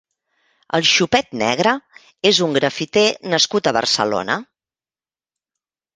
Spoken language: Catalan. El Xupet Negre és un grafiter nascut a Barcelona.